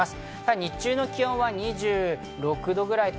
日中の気温は２６度ぐらい。